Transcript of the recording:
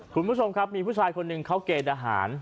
คุณผู้ชมครับมีผู้ชายคนหนึ่งเขาเกณฑ์อาหาร